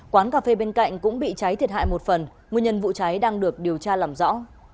quán cà phê bên cạnh cũng bị cháy thiệt hại một phần nguyên nhân vụ cháy đang được điều tra làm rõ